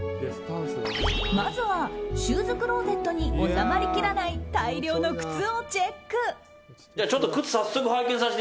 まずはシューズクローゼットに収まりきらない大量の靴をチェック。